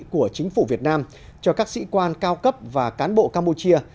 của chính phủ việt nam cho các sĩ quan cao cấp và cán bộ campuchia